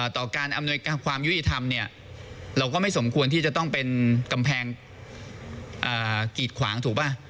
ต่อการอำนวยความยุติธรรมเนี่ยเราก็ไม่สมควรที่จะต้องเป็นกำแพงกีดขวางถูกป่ะ